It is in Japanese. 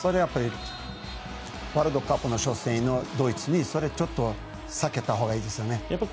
ワールドカップの初戦のドイツ戦ではそれはちょっと避けたほうがいいですよね。